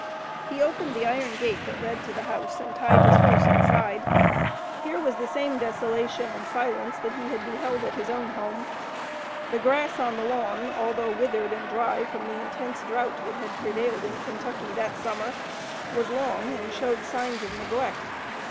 He opened the iron gate that led to the house, and tied his horse inside. Here was the same desolation and silence that he had beheld at his own home. The grass on the lawn, although withered and dry from the intense drought that had prevailed in Kentucky that summer, was long and showed signs of neglect.